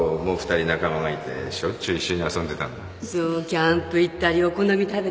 キャンプ行ったりお好み食べたりね。